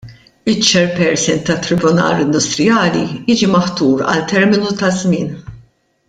Iċ-chairperson tat-Tribunal Indusrijali jiġi maħtur għal terminu ta' żmien.